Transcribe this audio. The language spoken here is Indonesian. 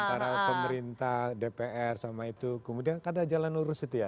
antara pemerintah dpr sama itu kemudian kan ada jalan lurus itu ya